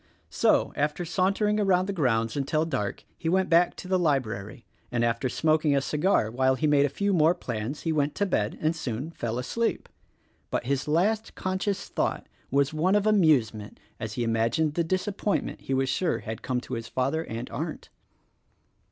So, after sauntering around the grounds until dark he went back to the library, and after smoking a cigar while he made a few more plans he went to bed and soon fell asleep; but his last conscious thought was one of amuse THE RECORDING ANGEL 95 ment as he imagined the disappointment he was sure had come to his father and Arndt.